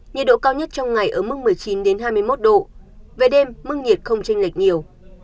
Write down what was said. nhiệt độ cao nhất trong ngày ở mức một mươi chín hai mươi một độ về đêm mức nhiệt không tranh lệch nhiều